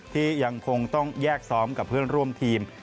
ที่ยังคงต้องแยกซ้อมกับเพื่อนร่วมทีม